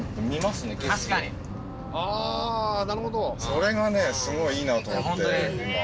それがねすごいいいなと思って今。